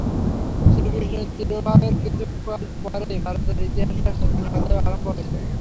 শ্রীকৃষ্ণের তিরোভাবের কিছুকাল পরেই ভারতের ইতিহাসে এক শোচনীয় অধ্যায় আরম্ভ হইল।